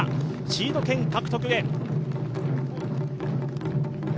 シード権獲得へ。